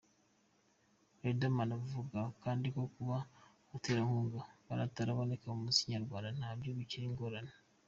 Riderman avuga kandi ko kuba abaterankunga bataraboneka mu muziki nyarwanda nabyo bikiri ingorane.